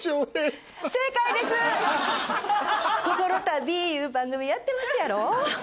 『こころ旅』いう番組やってますやろ？